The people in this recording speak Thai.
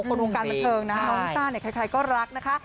คนวงการบันเทิงนะน้องลิซ่าเนี่ยใครก็รักนะคะ